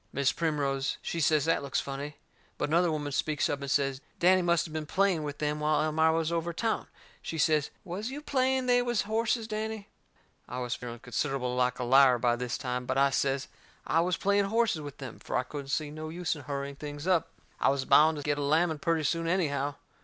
Mis' Primrose, she says that looks funny. But another woman speaks up and says Danny must of been playing with them while Elmira was over town. She says, "Was you playing they was horses, Danny?" I was feeling considerable like a liar by this time, but I says I was playing horses with them, fur I couldn't see no use in hurrying things up. I was bound to get a lamming purty soon anyhow.